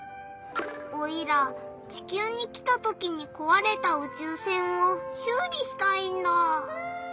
オイラ地きゅうに来たときにこわれたうちゅう船をしゅう理したいんだ。